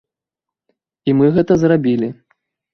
І мы гэта зрабілі.